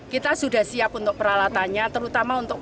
kita sudah siap untuk peralatannya